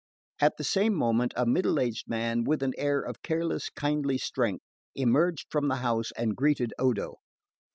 At the same moment a middle aged man with an air of careless kindly strength emerged from the house and greeted Odo.